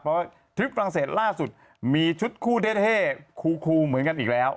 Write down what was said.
เพราะทริปฝรั่งเศสล่าสุดมีชุดคู่เท่คูเหมือนกันอีกแล้ว